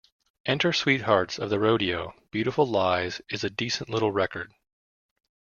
Enter Sweethearts of the Rodeo... Beautiful Lies is a decent little record.